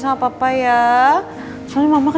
suara kamu mana anak